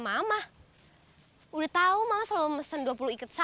dia langsung lihat besar apa beingnya